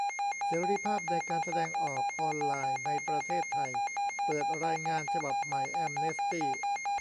เสรีภาพในการแสดงออกออนไลน์ในประเทศไทย เปิดรายงานฉบับใหม่แอมเนสตี้